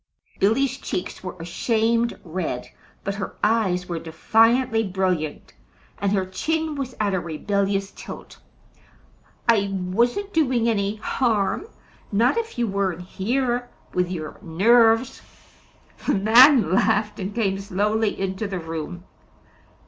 Billy's cheeks were a shamed red, but her eyes were defiantly brilliant, and her chin was at a rebellious tilt. "I wasn't doing any harm; not if you weren't here with your NERVES!" The man laughed and came slowly into the room.